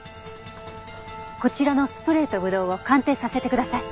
こちらのスプレーとぶどうを鑑定させてください。